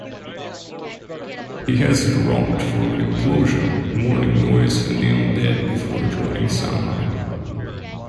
He has drummed for Implosion, Mourning Noise, and The Undead before joining Samhain.